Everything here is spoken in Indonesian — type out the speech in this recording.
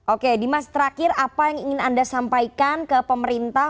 oke dimas terakhir apa yang ingin anda sampaikan ke pemerintah